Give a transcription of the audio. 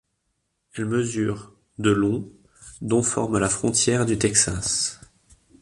Elle mesure de long dont forment la frontière du Texas.